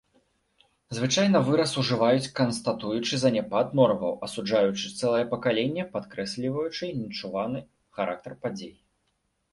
Звычайна выраз ужываюць, канстатуючы заняпад нораваў, асуджаючы цэлае пакаленне, падкрэсліваючы нечуваны характар падзеі.